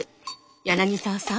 柳沢さん